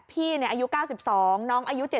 พี่อายุ๙๒น้องอายุ๗๐